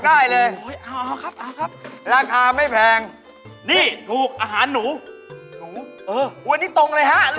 แตะว่ารหมอหนูแหง